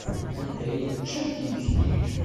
Anda ay ččant imekli?